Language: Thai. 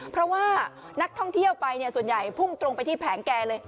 เพราะว่านักท่องเที่ยวไปส่วนใหญ่พุ่งตรงไปที่แผงแกเลย